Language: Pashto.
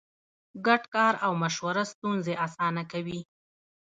ګډ کار او مشوره ستونزې اسانه کوي.